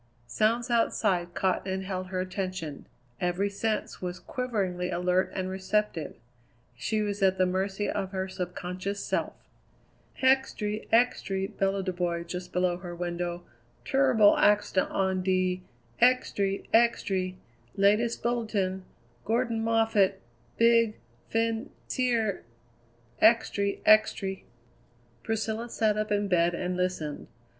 Sounds outside caught and held her attention; every sense was quiveringly alert and receptive; she was at the mercy of her subconscious self. "Extry! extry!" bellowed a boy just below her window; "turribul accident on de extry! extry! Latest bulletin Gordan Moffatt big fin cier extry! extry!" Priscilla sat up in bed and listened.